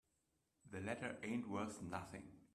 The letter ain't worth nothing.